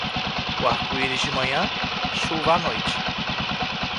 O arco-íris de manhã, chuva à noite.